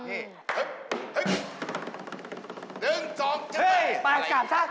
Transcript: เฮ่ยอีกประจำหน่อย